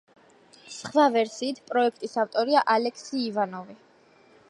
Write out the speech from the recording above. სხვა ვერსიით პროექტის ავტორია ალექსი ივანოვი.